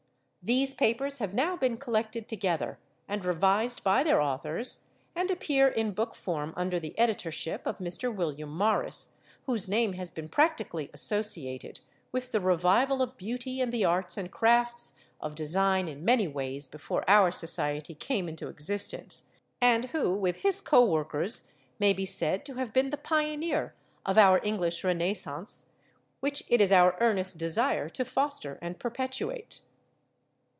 These papers have now been collected together, and revised by their authors, and appear in book form under the editorship of Mr. William Morris, whose name has been practically associated with the revival of beauty in the arts and crafts of design in many ways before our Society came into existence, and who with his co workers may be said to have been the pioneer of our English Renascence, which it is our earnest desire to foster and perpetuate.